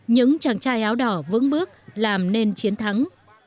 những chàng trai áo đỏ vững bước làm nên chiến thắng